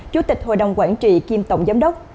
chủ tịch hội đồng quản trị kiêm tổng giám đốc